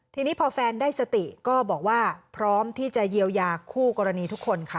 ทีนี้พอแฟนได้สติก็บอกว่าพร้อมที่จะเยียวยาคู่กรณีทุกคนค่ะ